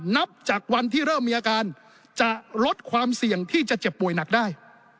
นับจากวันที่เริ่มมีอาการจะลดความเสี่ยงที่จะเจ็บป่วยหนักได้